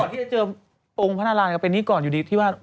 หวังว่าจะเจอองค์พระนราณเพื่อนนี้ก่อนอยู่ที่ว่า